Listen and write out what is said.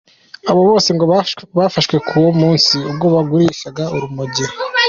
Abo bose ngo bafashwe kuri uwo munsi ubwo bagurishaga urumogi.